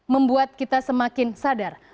membuat kita semakin sadar